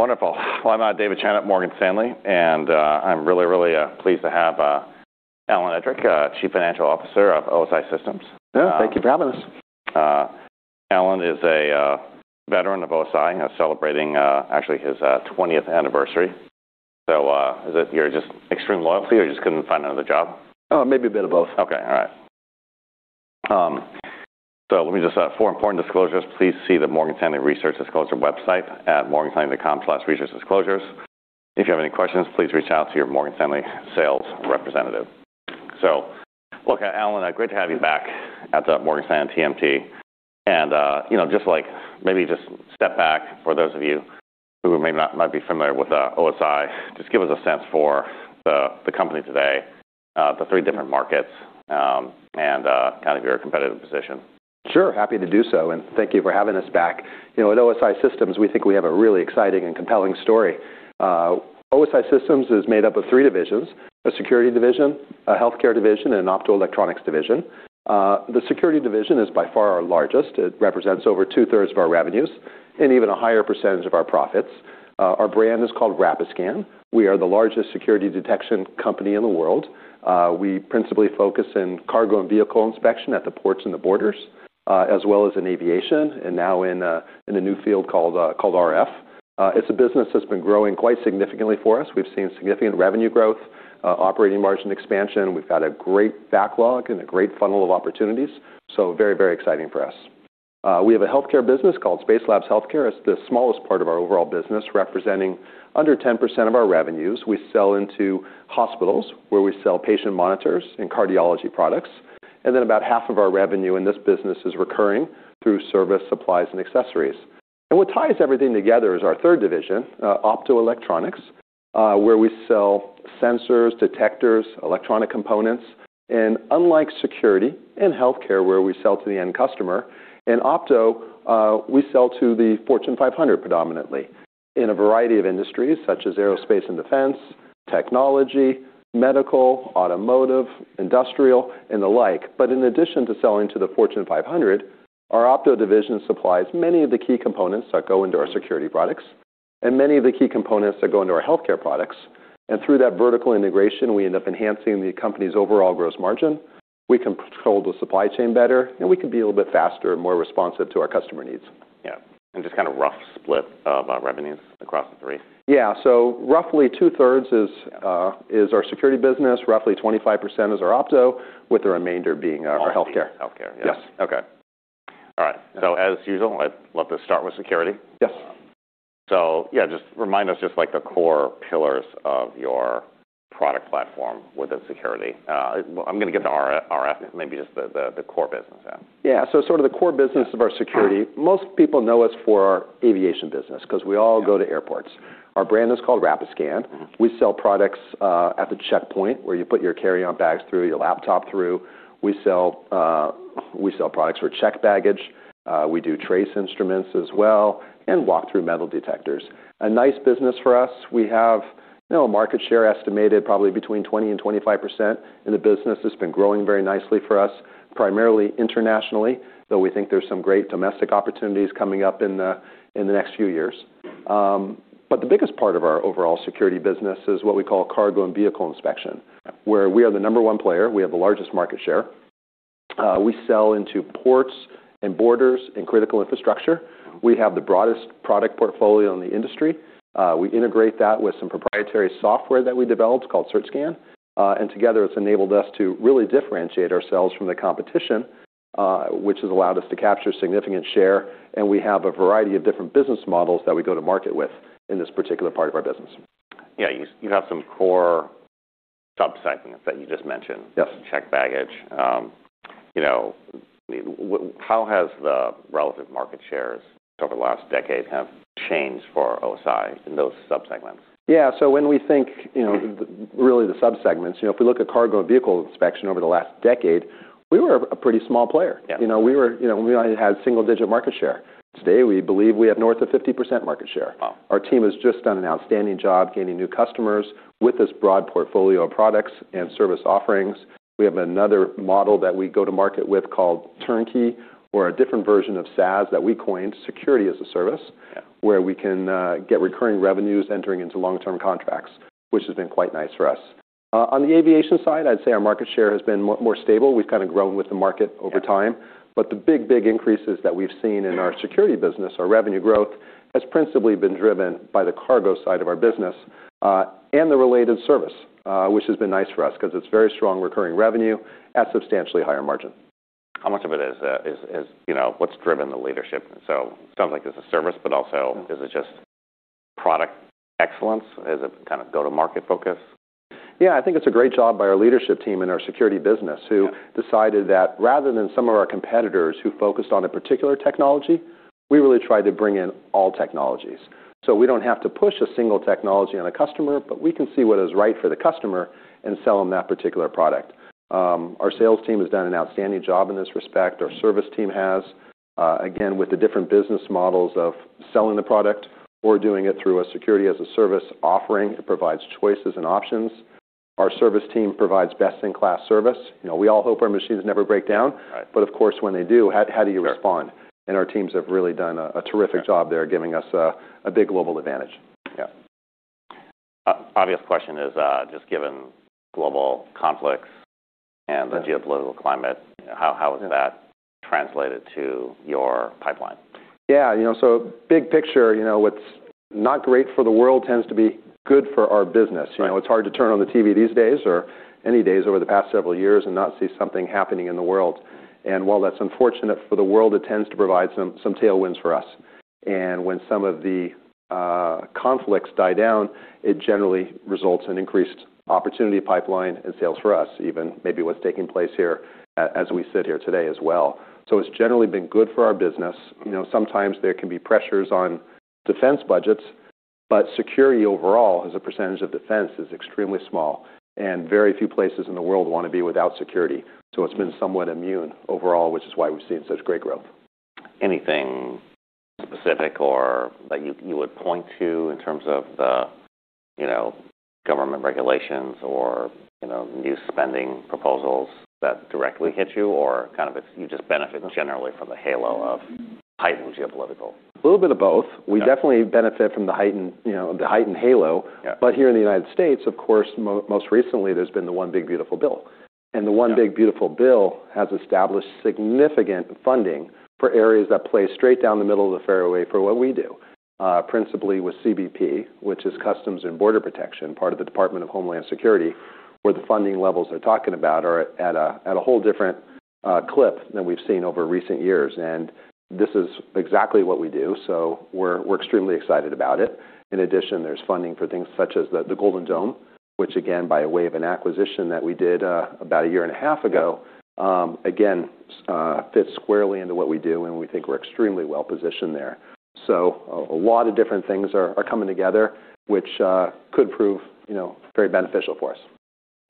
All right. Wonderful. Well, I'm, David Chen at Morgan Stanley, and, I'm really, really, pleased to have, Alan Edrick, Chief Financial Officer of OSI Systems. Yeah, thank you for having us. Alan is a veteran of OSI, actually celebrating his 20th anniversary. So, is it your just extreme loyalty or you just couldn't find another job? Oh, maybe a bit of both. Okay. All right. Let me just... Four important disclosures. Please see the Morgan Stanley Research Disclosure website at morganstanley.com/researchdisclosures. If you have any questions, please reach out to your Morgan Stanley sales representative. Look, Alan, great to have you back at the Morgan Stanley TMT. You know, just, like, maybe just step back for those of you who might be familiar with OSI. Just give us a sense for the company today, the three different markets, and kind of your competitive position. Sure. Happy to do so. Thank you for having us back. You know, at OSI Systems, we think we have a really exciting and compelling story. OSI Systems is made up of three divisions: a security division, a healthcare division, and an optoelectronics division. The security division is by far our largest. It represents over two-thirds of our revenues and even a higher percentage of our profits. Our brand is called Rapiscan. We are the largest security detection company in the world. We principally focus in cargo and vehicle inspection at the ports and the borders, as well as in aviation and now in a new field called RF. It's a business that's been growing quite significantly for us. We've seen significant revenue growth, operating margin expansion. We've got a great backlog and a great funnel of opportunities, very, very exciting for us. We have a healthcare business called Spacelabs Healthcare. It's the smallest part of our overall business, representing under 10% of our revenues. We sell into hospitals, where we sell patient monitors and cardiology products, and then about half of our revenue in this business is recurring through service, supplies, and accessories. What ties everything together is our third division, optoelectronics, where we sell sensors, detectors, electronic components. Unlike security and healthcare, where we sell to the end customer, in opto, we sell to the Fortune 500 predominantly in a variety of industries such as aerospace and defense, technology, medical, automotive, industrial, and the like. In addition to selling to the Fortune 500, our opto division supplies many of the key components that go into our security products and many of the key components that go into our healthcare products. Through that vertical integration, we end up enhancing the company's overall gross margin. We can control the supply chain better, and we can be a little bit faster and more responsive to our customer needs. Yeah. Just kind of rough split of, revenues across the three. Yeah. roughly two-thirds is our security business, roughly 25% is our opto, with the remainder being our healthcare. Healthcare. Yes. Okay. All right. As usual, I'd love to start with security. Yes. Yeah, just remind us just, like, the core pillars of your product platform within security. Well, I'm gonna get to RF, maybe just the core business then. Yeah. Sort of the core business of our security, most people know us for our aviation business 'cause we all go to airports. Yeah. Our brand is called Rapiscan. Mm-hmm. We sell products at the checkpoint where you put your carry-on bags through, your laptop through. We sell products for checked baggage. We do trace instruments as well and walk-through metal detectors. A nice business for us. We have, you know, a market share estimated probably between 20% and 25% in the business. It's been growing very nicely for us, primarily internationally, though we think there's some great domestic opportunities coming up in the, in the next few years. The biggest part of our overall security business is what we call cargo and vehicle inspection- Yeah... where we are the number one player. We have the largest market share. We sell into ports and borders and critical infrastructure. We have the broadest product portfolio in the industry. We integrate that with some proprietary software that we developed called Certscan. Together, it's enabled us to really differentiate ourselves from the competition, which has allowed us to capture significant share, and we have a variety of different business models that we go to market with in this particular part of our business. Yeah. You have some core sub-segments that you just mentioned. Yes. Checked baggage. You know, how has the relative market shares over the last decade have changed for OSI in those sub-segments? Yeah. When we think, you know, really the sub-segments, you know, if we look at cargo and vehicle inspection over the last decade, we were a pretty small player. Yeah. You know, we only had single-digit market share. Today, we believe we have north of 50% market share. Wow. Our team has just done an outstanding job gaining new customers with this broad portfolio of products and service offerings. We have another model that we go to market with called Turnkey or a different version of SaaS that we coined, Security as a Service. Yeah where we can get recurring revenues entering into long-term contracts, which has been quite nice for us. On the aviation side, I'd say our market share has been more stable. We've kinda grown with the market over time. Yeah. The big, big increases that we've seen in our security business, our revenue growth, has principally been driven by the cargo side of our business, and the related service, which has been nice for us 'cause it's very strong recurring revenue at substantially higher margin. How much of it is, you know, what's driven the leadership? It sounds like there's a service, but also is it just product excellence? Is it kind of go to market focus? Yeah. I think it's a great job by our leadership team and our security business. Yeah... who decided that rather than some of our competitors who focused on a particular technology, we really try to bring in all technologies. We don't have to push a single technology on a customer, but we can see what is right for the customer and sell them that particular product. Our sales team has done an outstanding job in this respect. Our service team has again, with the different business models of selling the product or doing it through a Security as a Service offering. It provides choices and options. Our service team provides best-in-class service. You know, we all hope our machines never break down. Right. Of course, when they do, how do you respond? Sure. Our teams have really done a terrific job there, giving us a big global advantage. Yeah. obvious question is, just given global conflicts- Yeah... and the geopolitical climate, how has that translated to your pipeline? Yeah. You know, big picture, you know, what's not great for the world tends to be good for our business. Right. You know, it's hard to turn on the TV these days or any days over the past several years and not see something happening in the world. While that's unfortunate for the world, it tends to provide some tailwinds for us. When some of the conflicts die down, it generally results in increased opportunity pipeline and sales for us, even maybe what's taking place here as we sit here today as well. It's generally been good for our business. You know, sometimes there can be pressures on defense budgets, but security overall, as a percentage of defense, is extremely small, and very few places in the world wanna be without security. It's been somewhat immune overall, which is why we've seen such great growth. Anything specific or that you would point to in terms of the, you know, government regulations or, you know, new spending proposals that directly hit you? Kind of it's, you just benefit generally from the halo of heightened geopolitical? A little bit of both. Yeah. We definitely benefit from the heightened, you know, the heightened halo. Yeah. here in the United States, of course, most recently, there's been the One Big Beautiful Bill. Yeah. The One Big Beautiful Bill has established significant funding for areas that play straight down the middle of the fairway for what we do, principally with CBP, which is Customs and Border Protection, part of the Department of Homeland Security, where the funding levels they're talking about are at a, at a whole different clip than we've seen over recent years. This is exactly what we do, so we're extremely excited about it. In addition, there's funding for things such as the Golden Dome, which again, by way of an acquisition that we did about a year and a half ago, again, fits squarely into what we do, and we think we're extremely well-positioned there. A lot of different things are coming together, which could prove, you know, very beneficial for us.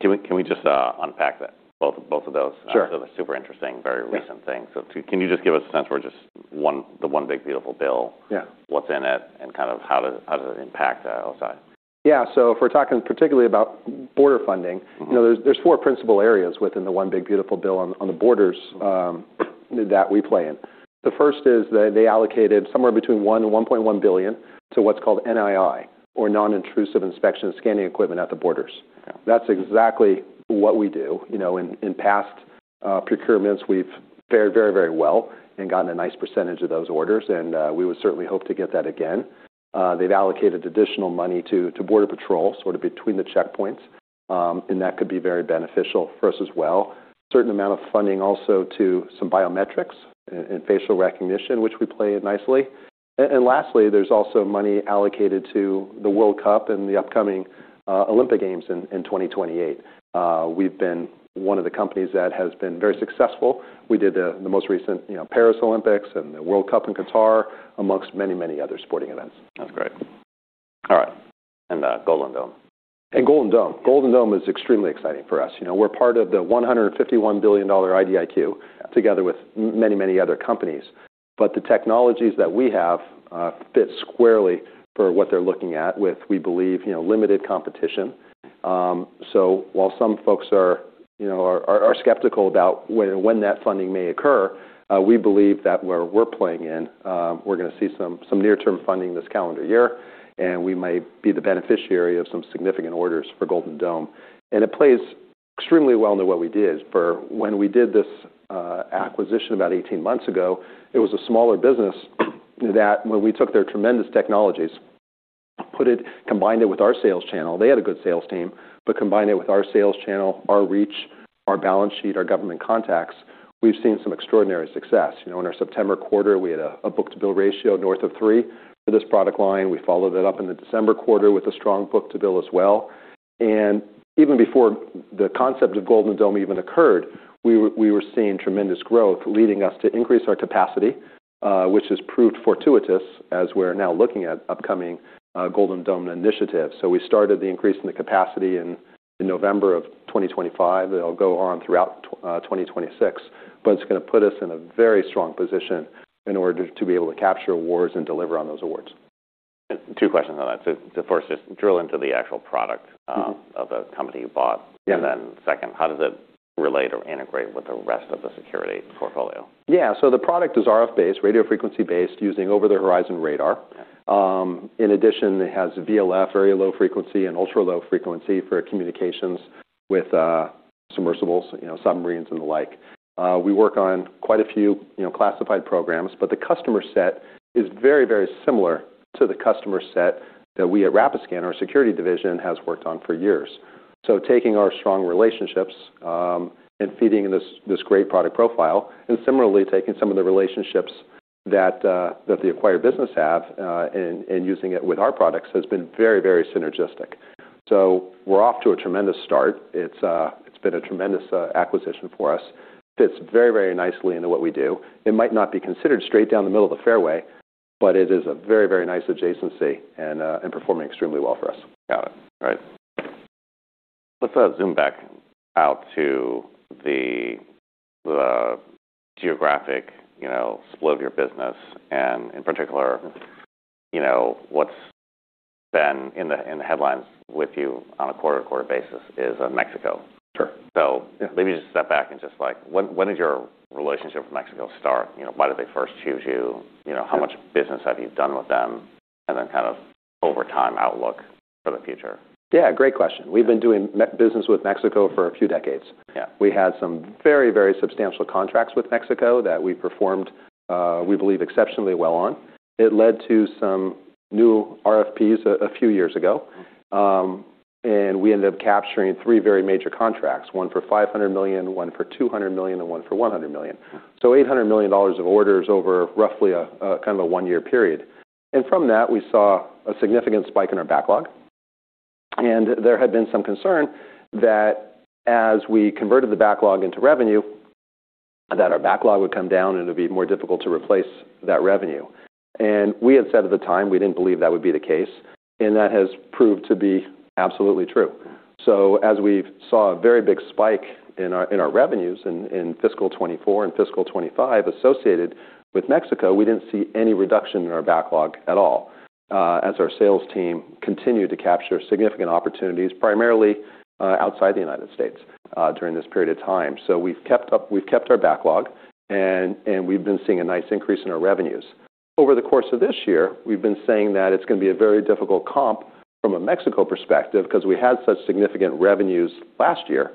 Can we just unpack that, both of those? Sure. Those are super interesting, very recent things. Yeah. Can you just give us a sense for the One Big Beautiful Bill? Yeah... what's in it, and kind of how does it impact, OSI? Yeah. If we're talking particularly about border funding. Mm-hmm... you know, there's four principal areas within the One Big Beautiful Bill on the borders that we play in. The first is they allocated somewhere between $1 billion and $1.1 billion to what's called NII, or Non-Intrusive Inspection scanning equipment at the borders. Yeah. That's exactly what we do. You know, in past procurements, we've fared very, very well and gotten a nice percentage of those orders, and we would certainly hope to get that again. They've allocated additional money to Border Patrol, sort of between the checkpoints, and that could be very beneficial for us as well. Certain amount of funding also to some biometrics and facial recognition, which we play in nicely. Lastly, there's also money allocated to the World Cup and the upcoming Olympic Games in 2028. We've been one of the companies that has been very successful. We did, the most recent, you know, Paris Olympics and the World Cup in Qatar, amongst many, many other sporting events. That's great. All right. Golden Dome. Golden Dome. Golden Dome is extremely exciting for us. You know, we're part of the $151 billion IDIQ. Yeah... together with many, many other companies. The technologies that we have fit squarely for what they're looking at with, we believe, you know, limited competition. While some folks are, you know, are skeptical about when that funding may occur, we believe that where we're playing in, we're gonna see some near-term funding this calendar year, and we might be the beneficiary of some significant orders for Golden Dome. It plays extremely well into what we did, for when we did this acquisition about 18 months ago, it was a smaller business that when we took their tremendous technologies, combined it with our sales channel, they had a good sales team, combined it with our sales channel, our reach, our balance sheet, our government contacts, we've seen some extraordinary success. You know, in our September quarter, we had a book-to-bill ratio north of three for this product line. We followed it up in the December quarter with a strong book-to-bill as well. Even before the concept of Golden Dome even occurred, we were seeing tremendous growth, leading us to increase our capacity, which has proved fortuitous as we're now looking at upcoming Golden Dome initiatives. We started the increase in the capacity in November of 2025. It'll go on throughout 2026, but it's gonna put us in a very strong position in order to be able to capture awards and deliver on those awards. Two questions on that. The first, just drill into the actual product- Mm-hmm of the company you bought. Yeah. Second, how does it relate or integrate with the rest of the security portfolio? The product is RF-based, radio frequency-based, using over-the-horizon radar. In addition, it has VLF, very low frequency, and ultra low frequency for communications with submersibles, you know, submarines and the like. We work on quite a few, you know, classified programs, but the customer set is very, very similar to the customer set that we at Rapiscan, our security division, has worked on for years. Taking our strong relationships and feeding this great product profile, and similarly, taking some of the relationships that the acquired business have and using it with our products has been very, very synergistic. We're off to a tremendous start. It's been a tremendous acquisition for us. Fits very, very nicely into what we do. It might not be considered straight down the middle of the fairway, but it is a very, very nice adjacency and performing extremely well for us. Got it. All right. Let's zoom back out to the geographic, you know, split of your business and in particular. You know, what's been in the, in the headlines with you on a quarter-to-quarter basis is Mexico. Sure. So- Yeah maybe just step back and just like when did your relationship with Mexico start? You know, why did they first choose you? You know. Yeah... how much business have you done with them? Then kind of over time outlook for the future. Yeah, great question. We've been doing business with Mexico for a few decades. Yeah. We had some very, very substantial contracts with Mexico that we performed, we believe exceptionally well on. It led to some new RFP a few years ago. We ended up capturing three very major contracts, one for $500 million, one for $200 million, and one for $100 million. Wow. $800 million of orders over roughly a kind of a one year period. From that, we saw a significant spike in our backlog. There had been some concern that as we converted the backlog into revenue, that our backlog would come down and it'd be more difficult to replace that revenue. We had said at the time we didn't believe that would be the case, and that has proved to be absolutely true. As we saw a very big spike in our revenues in fiscal 2024 and fiscal 2025 associated with Mexico, we didn't see any reduction in our backlog at all, as our sales team continued to capture significant opportunities, primarily outside the United States during this period of time. We've kept our backlog and we've been seeing a nice increase in our revenues. Over the course of this year, we've been saying that it's gonna be a very difficult comp from a Mexico perspective because we had such significant revenues last year,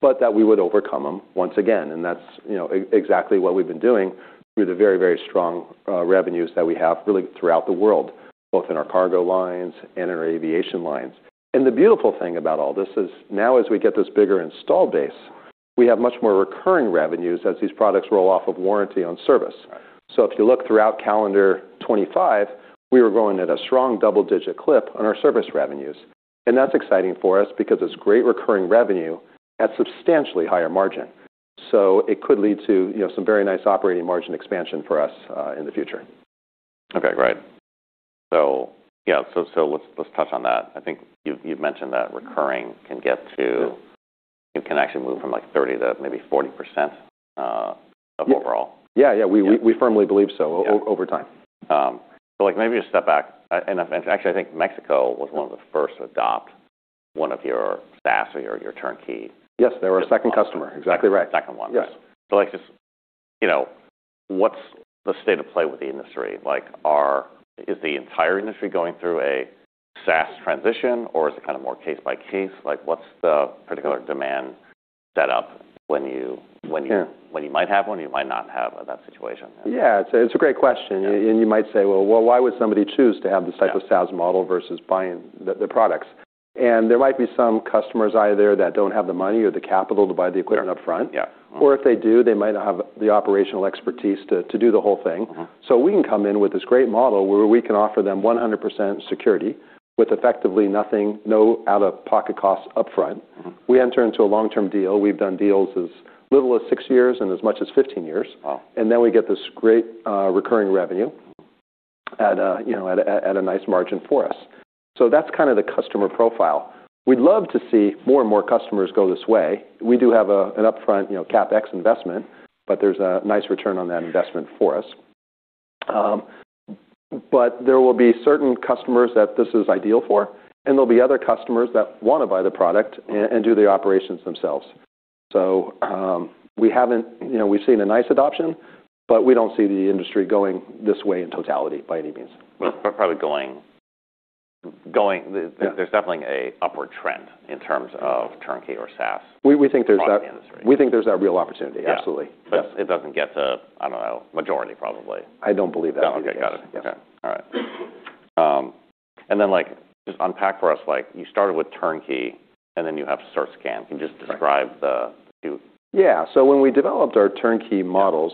but that we would overcome them once again, and that's, you know, exactly what we've been doing through the very strong revenues that we have really throughout the world, both in our cargo lines and our aviation lines. The beautiful thing about all this is now as we get this bigger installed base, we have much more recurring revenues as these products roll off of warranty on service. Right. If you look throughout calendar 2025, we were growing at a strong double-digit clip on our service revenues. That's exciting for us because it's great recurring revenue at substantially higher margin. It could lead to, you know, some very nice operating margin expansion for us in the future. Okay, great. Yeah, so let's touch on that. I think you've mentioned that recurring can get to-. Yeah... you can actually move from like 30% to maybe 40%, of overall. Yeah. We firmly believe so over time. Like maybe just step back. Actually I think Mexico was one of the first to adopt one of your SaaS or your turnkey. Yes, they were second customer. Exactly right. Second one. Yes. Like just, you know, what's the state of play with the industry? Like, is the entire industry going through a SaaS transition, or is it kind of more case by case? Like, what's the particular demand set up when you? Sure... when you might have one, you might not have that situation? Yeah. It's a great question. Yeah. You might say, "Well, why would somebody choose to have this type of SaaS model versus buying the products?" There might be some customers out there that don't have the money or the capital to buy the equipment upfront. Yeah. If they do, they might not have the operational expertise to do the whole thing. Mm-hmm. we can come in with this great model where we can offer them 100% security with effectively nothing, no out-of-pocket costs upfront. Mm-hmm. We enter into a long-term deal. We've done deals as little as six years and as much as 15 years. Wow. We get this great, recurring revenue at, you know, at a nice margin for us. That's kind of the customer profile. We'd love to see more and more customers go this way. We do have an upfront, you know, CapEx investment, but there's a nice return on that investment for us. There will be certain customers that this is ideal for, and there'll be other customers that wanna buy the product and do the operations themselves. We haven't, you know, we've seen a nice adoption, but we don't see the industry going this way in totality by any means. Probably going. Yeah... there's definitely a upward trend in terms of turnkey or SaaS- We think there's. across the industry We think there's a real opportunity. Absolutely. Yeah. It doesn't get to, I don't know, majority probably. I don't believe that. Okay. Got it. Yeah. Okay. All right. like, just unpack for us, like you started with turnkey, and then you have Certscan. Can you just describe the two? Yeah. When we developed our turnkey models,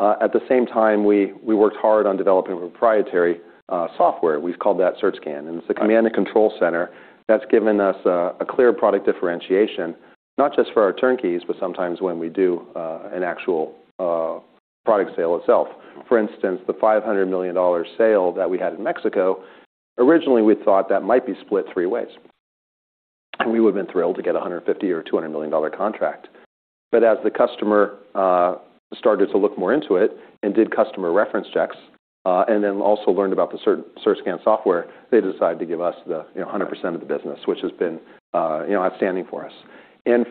Mm-hmm... at the same time, we worked hard on developing proprietary software. We've called that Certscan, and it's a command and control center that's given us a clear product differentiation, not just for our turnkeys, but sometimes when we do an actual product sale itself. For instance, the $500 million sale that we had in Mexico, originally, we thought that might be split three ways, and we would have been thrilled to get a $150 million or $200 million contract. But as the customer started to look more into it and did customer reference checks, and then also learned about the Certscan software, they decided to give us the, you know, 100% of the business, which has been, you know, outstanding for us.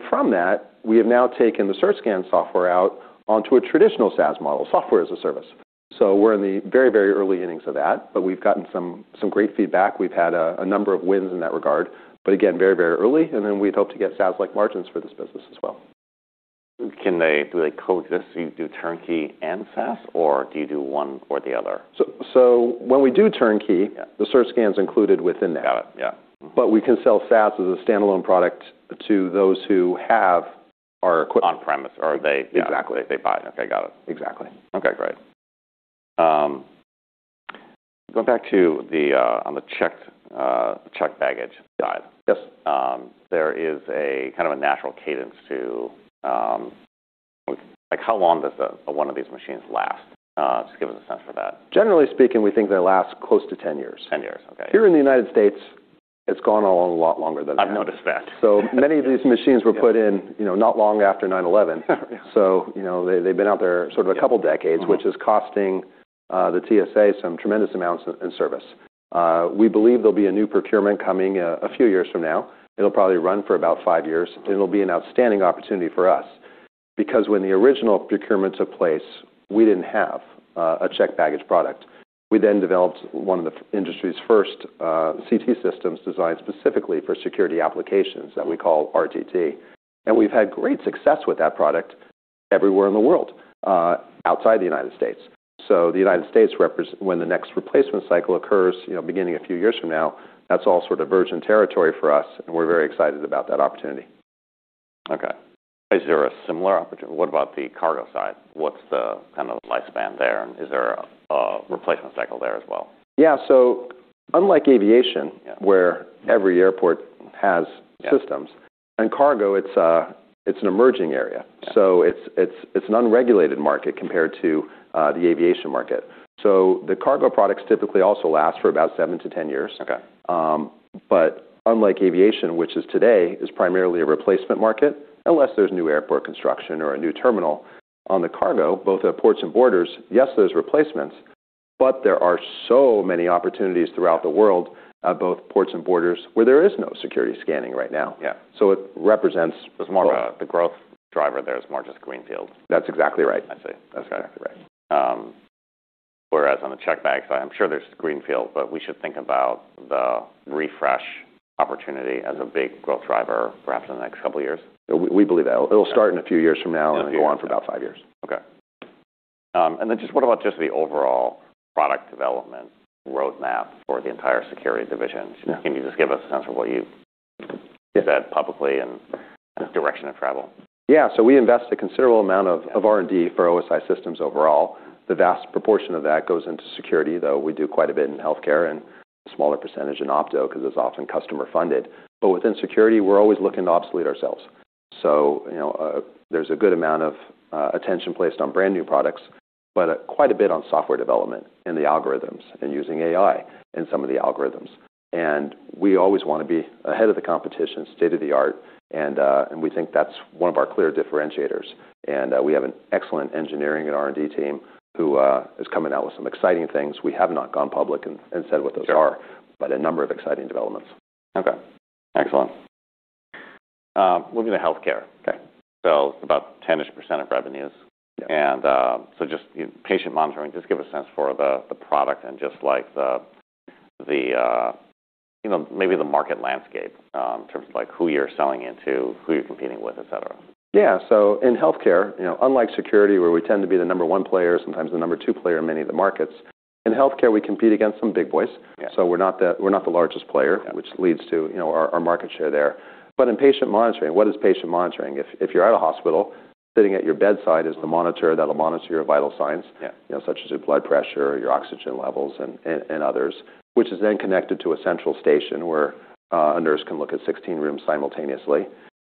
From that, we have now taken the Certscan software out onto a traditional SaaS model, software as a service. We're in the very early innings of that. We've gotten some great feedback. We've had a number of wins in that regard. Again, very early. We'd hope to get SaaS-like margins for this business as well. Do they co-exist, do turnkey and SaaS, or do you do one or the other? When we do turnkey Yeah... the Certscan is included within that. Got it. Yeah. Mm-hmm. We can sell SaaS as a standalone product to those who have our equipment. On-premise. Exactly. buy it. Okay, got it. Exactly. Okay, great. Going back to the on the checked baggage guide. Yes. There is a kind of a natural cadence to, like how long does a, one of these machines last? Just give us a sense for that. Generally speaking, we think they last close to 10 years. 10 years. Okay. Here in the United States. It's gone on a lot longer than that. I've noticed that. Many of these machines were put in, you know, not long after 9/11. Yeah. you know, they've been out there. Yeah... a couple decades. Mm-hmm. Which is costing the TSA some tremendous amounts in service. We believe there'll be a new procurement coming a few years from now. It'll probably run for about five years. It'll be an outstanding opportunity for us because when the original procurement took place, we didn't have a checked baggage product. We then developed one of the industry's first CT systems designed specifically for security applications that we call RTT. We've had great success with that product everywhere in the world outside the United States. The United States when the next replacement cycle occurs, you know, beginning a few years from now, that's all sort of virgin territory for us, and we're very excited about that opportunity. Okay. Is there a similar opportunity? What about the cargo side? What's the kind of lifespan there, and is there a replacement there as well? Yeah. Unlike aviation. Yeah... where every airport. Yeah.... systems. In cargo, it's an emerging area. Yeah. It's an unregulated market compared to the aviation market. The cargo products typically also last for about seven to 10 years. Okay. Unlike aviation, which today is primarily a replacement market, unless there's new airport construction or a new terminal on the cargo, both at ports and borders, yes, there's replacements, but there are so many opportunities throughout the world, both ports and borders, where there is no security scanning right now. Yeah. So it represents- It's more of the growth driver there is more just greenfield. That's exactly right. I see. Okay. That's exactly right. Whereas on the checked bags side, I'm sure there's greenfield, but we should think about the refresh opportunity as a big growth driver, perhaps in the next couple of years. We believe that. It'll start in a few years from now and go on for about five years. Okay. then what about just the overall product development roadmap for the entire security division? Yeah. Can you just give us a sense of what? Yeah... said publicly. Yeah... direction of travel? We invest a considerable amount of R&D for OSI Systems overall. The vast proportion of that goes into security, though we do quite a bit in healthcare and a smaller percentage in Opto 'cause it's often customer funded. Within security, we're always looking to obsolete ourselves. You know, there's a good amount of attention placed on brand-new products, quite a bit on software development and the algorithms and using AI in some of the algorithms. We always wanna be ahead of the competition, state-of-the-art, and we think that's one of our clear differentiators. We have an excellent engineering and R&D team who is coming out with some exciting things. We have not gone public and said what those are. Sure. A number of exciting developments. Okay. Excellent. Moving to healthcare. Okay. About 10-ish % of revenues. Yeah. Just, you know, patient monitoring, just give a sense for the product and just, like, the, you know, maybe the market landscape, in terms of, like, who you're selling it to, who you're competing with, et cetera. Yeah. In healthcare, you know, unlike security, where we tend to be the number one player, sometimes the number two player in many of the markets, in healthcare, we compete against some big boys. Yeah. We're not the largest player. Yeah... which leads to, you know, our market share there. In patient monitoring, what is patient monitoring? If you're at a hospital, sitting at your bedside is the monitor that'll monitor your vital signs- Yeah... you know, such as your blood pressure, your oxygen levels, and others, which is then connected to a central station where a nurse can look at 16 rooms simultaneously,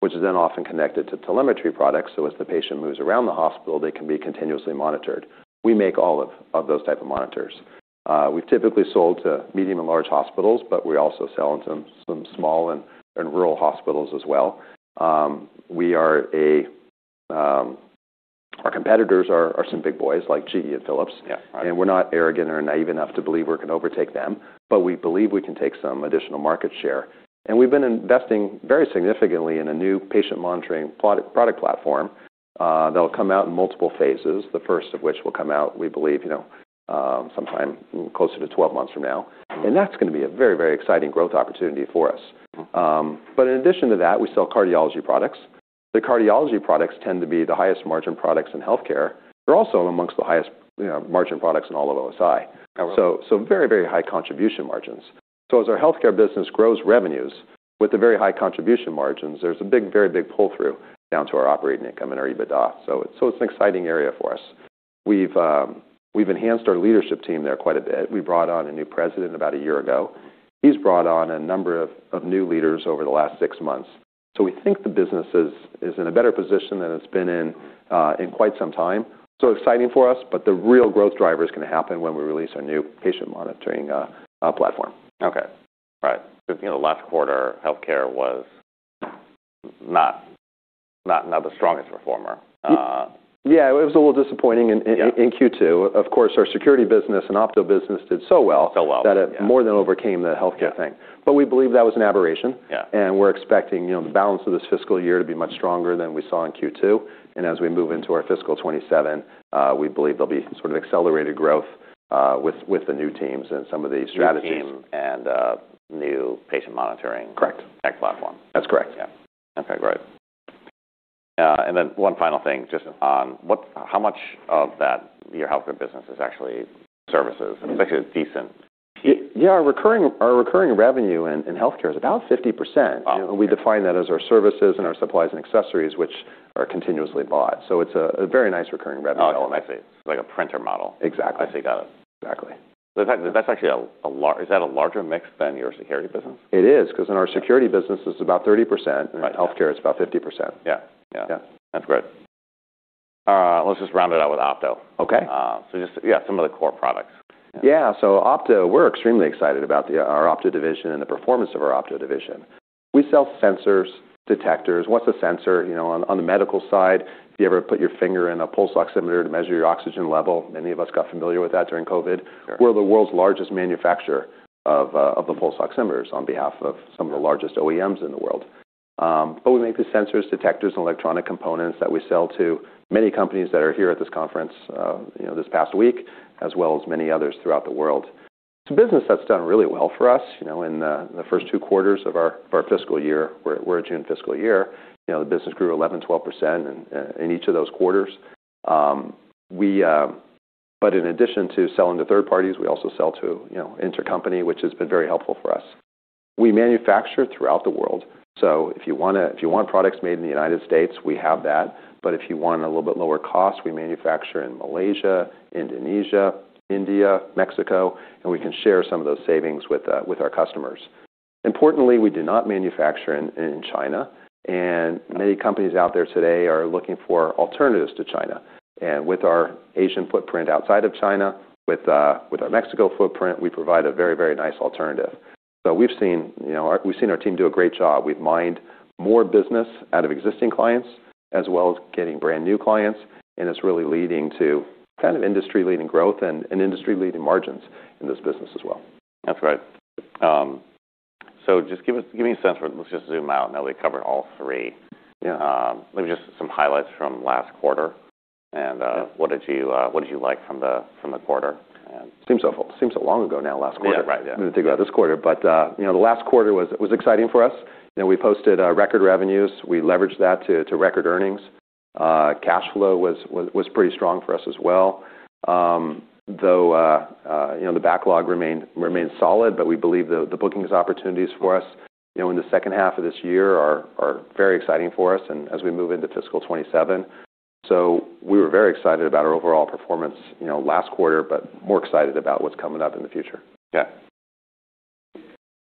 which is then often connected to telemetry products, so as the patient moves around the hospital, they can be continuously monitored. We make all of those type of monitors. We've typically sold to medium and large hospitals, but we also sell into some small and rural hospitals as well. Our competitors are some big boys like GE and Philips. Yeah. Right. We're not arrogant or naive enough to believe we're gonna overtake them, but we believe we can take some additional market share. We've been investing very significantly in a new patient monitoring product platform, that'll come out in multiple phases, the first of which will come out, we believe, you know, sometime closer to 12 months from now. That's gonna be a very, very exciting growth opportunity for us. In addition to that, we sell cardiology products. The cardiology products tend to be the highest margin products in healthcare. They're also amongst the highest, you know, margin products in all of OSI. Okay. Very, very high contribution margins. As our healthcare business grows revenues with the very high contribution margins, there's a big, very big pull-through down to our operating income and our EBITDA. It's an exciting area for us. We've enhanced our leadership team there quite a bit. We brought on a new president about a year ago. He's brought on a number of new leaders over the last six months. We think the business is in a better position than it's been in quite some time. Exciting for us, but the real growth driver is gonna happen when we release our new patient monitoring platform. Okay. Right. 'Cause, you know, last quarter, healthcare was not the strongest performer. Yeah. It was a little disappointing. Yeah.... in Q2. Of course, our security business and Opto business did so well- Well. Yeah that it more than overcame the healthcare thing. Yeah. We believe that was an aberration. Yeah. We're expecting, you know, the balance of this fiscal year to be much stronger than we saw in Q2. As we move into our fiscal 2027, we believe there'll be some sort of accelerated growth, with the new teams and some of the strategies. New team and, new patient monitoring- Correct... tech platform. That's correct. Yeah. Okay. Great. One final thing, just on how much of that, your healthcare business, is actually services? I'm expecting a decent... Yeah. Our recurring revenue in healthcare is about 50%. Wow. Okay. We define that as our services and our supplies and accessories, which are continuously bought. It's a very nice recurring revenue. Oh, I see. It's like a printer model. Exactly. I see that. Exactly. That's actually a is that a larger mix than your security business? It is 'cause in our security business, it's about 30%. Right. In healthcare, it's about 50%. Yeah. Yeah. Yeah. That's great. All right, let's just round it out with Opto. Okay. Just, yeah, some of the core products. Yeah. Opto, we're extremely excited about our Opto division and the performance of our Opto division. We sell sensors, detectors. What's a sensor? You know, on the medical side, if you ever put your finger in a pulse oximeter to measure your oxygen level, many of us got familiar with that during COVID. Sure. We're the world's largest manufacturer of the pulse oximeters on behalf of some of the largest OEMs in the world. We make the sensors, detectors, and electronic components that we sell to many companies that are here at this conference, you know, this past week, as well as many others throughout the world. It's a business that's done really well for us, you know, in the first two quarters of our fiscal year. We're a June fiscal year. You know, the business grew 11%, 12% in each of those quarters. In addition to selling to third parties, we also sell to, you know, intercompany, which has been very helpful for us. We manufacture throughout the world. If you want products made in the United States, we have that. If you want a little bit lower cost, we manufacture in Malaysia, Indonesia, India, Mexico, and we can share some of those savings with our customers. Importantly, we do not manufacture in China, and many companies out there today are looking for alternatives to China. With our Asian footprint outside of China, with our Mexico footprint, we provide a very, very nice alternative. We've seen, you know, we've seen our team do a great job. We've mined more business out of existing clients, as well as getting brand-new clients, and it's really leading to kind of industry-leading growth and industry-leading margins in this business as well. That's right. Just give me a sense for it. Let's just zoom out, and then we covered all three. Yeah. Maybe just some highlights from last quarter. Yeah... what did youwhat did you like from the, from the quarter? Seems so, seems so long ago now, last quarter. Yeah, right. Yeah. When you think about this quarter. You know, the last quarter was exciting for us, and we posted record revenues. We leveraged that to record earnings. Cash flow was pretty strong for us as well. Though, you know, the backlog remained solid, but we believe the bookings opportunities for us, you know, in the second half of this year are very exciting for us and as we move into fiscal 2027. We were very excited about our overall performance, you know, last quarter, but more excited about what's coming up in the future. Yeah.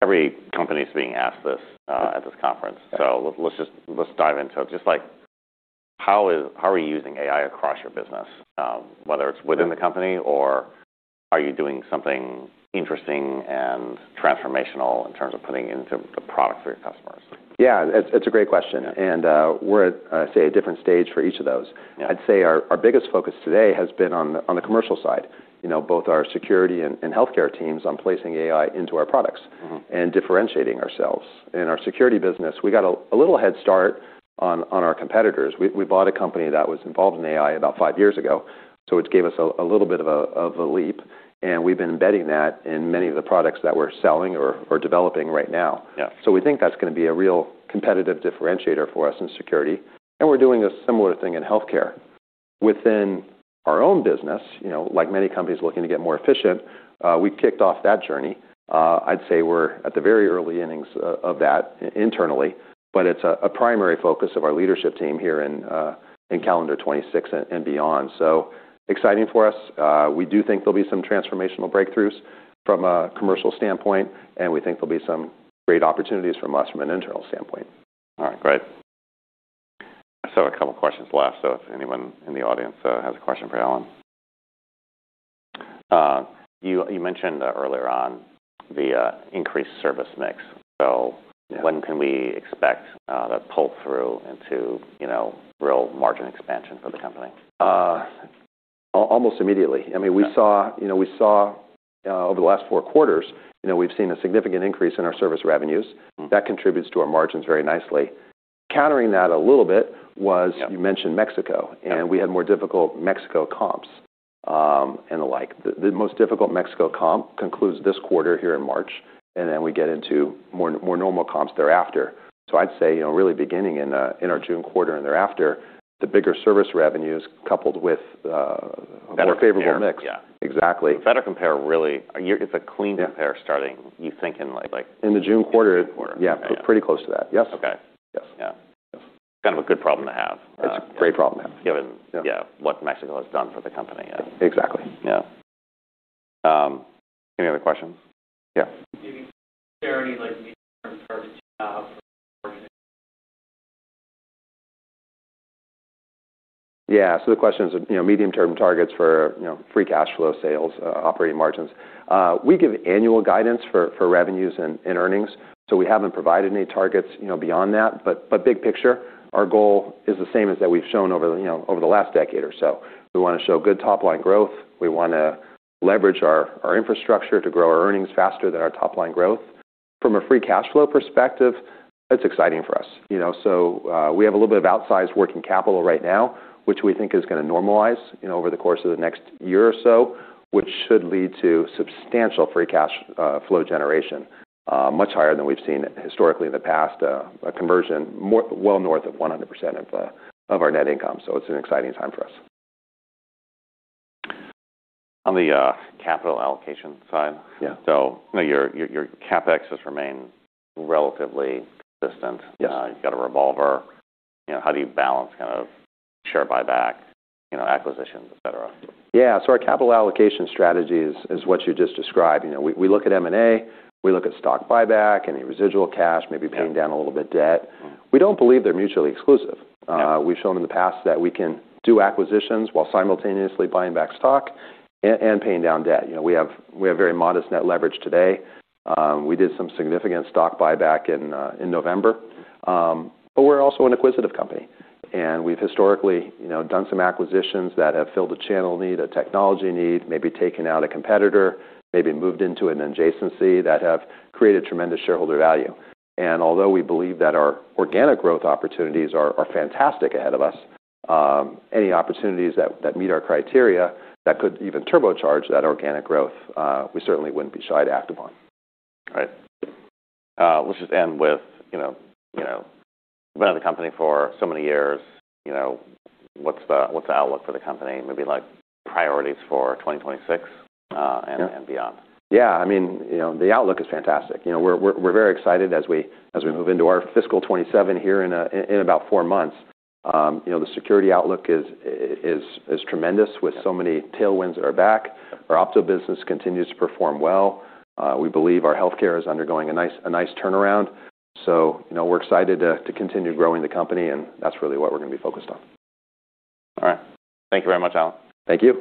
Every company's being asked this, at this conference. Yeah. Let's just, let's dive into it. Just like, how are you using AI across your business, whether it's within the company or are you doing something interesting and transformational in terms of putting into the product for your customers? Yeah. It's a great question. Yeah. We're at, I'd say, a different stage for each of those. Yeah. I'd say our biggest focus today has been on the commercial side, you know, both our security and healthcare teams on placing AI into our products. Mm-hmm... and differentiating ourselves. In our security business, we got a little head start on our competitors. We bought a company that was involved in AI about five years ago, so which gave us a little bit of a leap, and we've been embedding that in many of the products that we're selling or developing right now. Yeah. We think that's gonna be a real competitive differentiator for us in security, and we're doing a similar thing in healthcare. Within our own business, you know, like many companies looking to get more efficient, we've kicked off that journey. I'd say we're at the very early innings of that internally, but it's a primary focus of our leadership team here in calendar 2026 and beyond. Exciting for us. We do think there'll be some transformational breakthroughs from a commercial standpoint, and we think there'll be some great opportunities from us from an internal standpoint. All right, great. I still have a couple questions left, so if anyone in the audience, has a question for Alan. You mentioned earlier on the increased service mix. Yeah... when can we expect that pull-through into, you know, real margin expansion for the company? almost immediately. I mean. Yeah... we saw, you know, over the last four quarters, you know, we've seen a significant increase in our service revenues. Mm-hmm. That contributes to our margins very nicely. Countering that a little bit. Yeah you mentioned Mexico. Yeah. We had more difficult Mexico comps, and the like. The most difficult Mexico comp concludes this quarter here in March, and then we get into more normal comps thereafter. I'd say, you know, really beginning in our June quarter and thereafter, the bigger service revenues coupled with. Better compare.... a more favorable mix. Yeah. Exactly. Better compare really... It's a clean- Yeah... compare starting, you think in, like. In the June quarter. June quarter. Yeah. Okay. Pretty close to that. Yes. Okay. Yes. Yeah. It's kind of a good problem to have. It's a great problem to have.... given- Yeah... yeah, what Mexico has done for the company. Yeah. Exactly. Any other questions? Yeah. Do you think there are any, like, medium-term targets you have. The question is, you know, medium-term targets for, you know, free cash flow sales, operating margins. We give annual guidance for revenues and earnings, we haven't provided any targets, you know, beyond that. Big picture, our goal is the same as that we've shown over, you know, over the last decade or so. We wanna show good top line growth. We wanna leverage our infrastructure to grow our earnings faster than our top line growth. From a free cash flow perspective, it's exciting for us. You know, we have a little bit of outsized working capital right now, which we think is gonna normalize, you know, over the course of the next year or so, which should lead to substantial free cash flow generation, much higher than we've seen historically in the past. A conversion well north of 100% of our net income. It's an exciting time for us. On the capital allocation side. Yeah You know, your CapEx has remained relatively consistent. Yes. You've got a revolver. You know, how do you balance kind of share buyback, you know, acquisitions, et cetera? Yeah. Our capital allocation strategy is what you just described. You know, we look at M&A, we look at stock buyback, any residual cash. Yeah... paying down a little bit debt. Mm-hmm. We don't believe they're mutually exclusive. Yeah. We've shown in the past that we can do acquisitions while simultaneously buying back stock and paying down debt. You know, we have very modest net leverage today. We did some significant stock buyback in November. We're also an acquisitive company, and we've historically, you know, done some acquisitions that have filled a channel need, a technology need, maybe taken out a competitor, maybe moved into an adjacency that have created tremendous shareholder value. Although we believe that our organic growth opportunities are fantastic ahead of us, any opportunities that meet our criteria that could even turbocharge that organic growth, we certainly wouldn't be shy to act upon. All right. let's just end with, you know, been at the company for so many years, you know, what's the outlook for the company? Maybe, like, priorities for 2026? Yeah... and beyond. You know, the outlook is fantastic. You know, we're very excited as we move into our fiscal 2027 here in about four months. You know, the security outlook is tremendous with so many tailwinds at our back. Our Opto business continues to perform well. We believe our healthcare is undergoing a nice turnaround. You know, we're excited to continue growing the company, and that's really what we're gonna be focused on. All right. Thank you very much, Alan. Thank you.